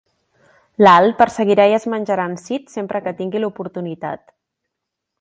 L'Al perseguirà i es menjarà en Sid sempre que tingui l'oportunitat.